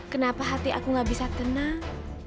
kenapa hati aku gak bisa tenang